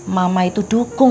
mama itu dukung